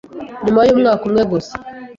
Nyuma y’umwaka umwe gusa,